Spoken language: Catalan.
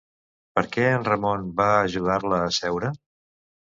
Per què en Ramon va ajudar-la a seure?